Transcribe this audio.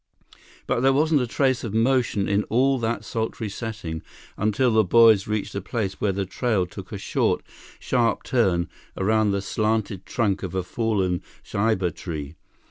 But there wasn't a trace of motion in all that sultry setting until the boys reached a place where the trail took a short, sharp turn around the slanted trunk of a fallen ceiba tree.